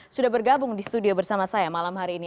sudah bergabung di studio bersama saya malam hari ini